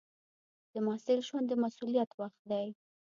د محصل ژوند د مسؤلیت وخت دی.